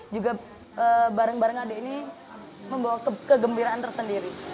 juga bareng bareng adik ini membawa kegembiraan tersendiri